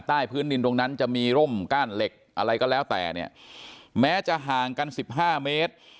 ใต้พื้นดินตรงนั้นจะมีร่มก้านเหล็กอะไรก็แล้วแต่เนี่ยแม้จะห่างกันสิบห้าเมตร